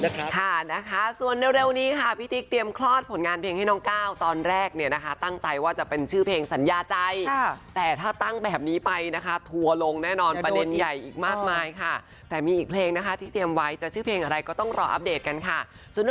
จากผลงานของน้องก้าวด้วยค่ะ